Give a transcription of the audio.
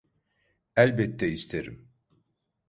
Elbette isterim.